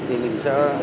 thì mình sẽ